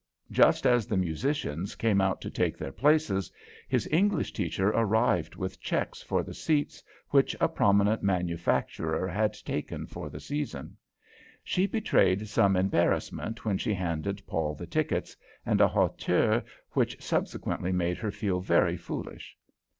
Just as the musicians came out to take their places, his English teacher arrived with checks for the seats which a prominent manufacturer had taken for the season. She betrayed some embarrassment when she handed Paul the tickets, and a hauteur which subsequently made her feel very foolish.